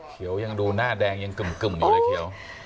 ยังดูหน้าแดงยังกึ่มอยู่เลยเขียว